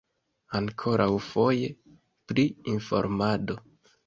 Ankoraŭfoje pri informado.